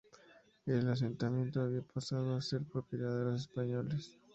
El asentamiento había pasado a ser propiedad de los españoles.